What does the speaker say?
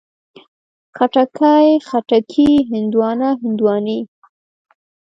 خټکی، خټکي، هندواڼه، هندواڼې